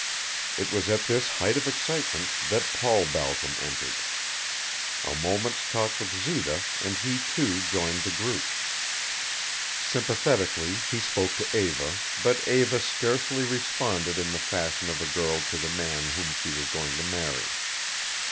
It was at this height of excitement that Paul Balcom entered. A moment's talk with Zita, and he, too, joined the group. Sympathetically he spoke to Eva, but Eva scarcely responded in the fashion of a girl to the man whom she was going to marry.